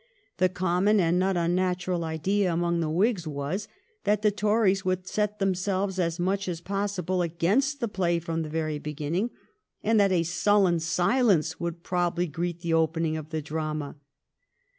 The common, and not un natural, idea among the Whigs was that the Tories would set themselves as much as possible against the play from the very beginning, and that a sullen silence would probably greet the opening of the drama.